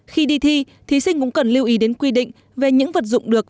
khi đi thi thí sinh cũng cần lưu ý đến quy định về những vật dụng được